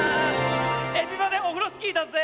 「エビバデオフロスキー」だぜ！